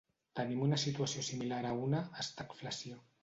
Tenim una situació similar a una "estagflació".